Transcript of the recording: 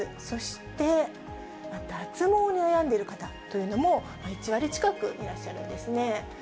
そして脱毛に悩んでいる方というのも、１割近くいらっしゃるんですね。